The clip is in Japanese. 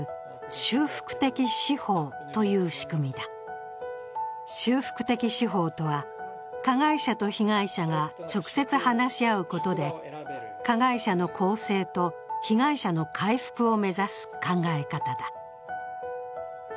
修復的司法とは、加害者と被害者が直接話し合うことで加害者の更生と被害者の回復を目指す考え方だ。